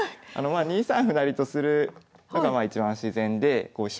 ２三歩成とする手がまあ一番自然で。